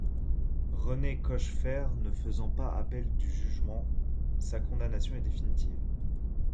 René Kojfer ne faisant pas appel du jugement, sa condamnation est définitive.